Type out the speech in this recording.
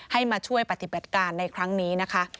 ให้มาช่วยปฏิบัติการในครั้งนี้นะคะ